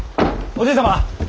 おじい様！